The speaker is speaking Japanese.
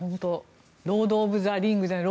ロード・オブ・ザ・リングというか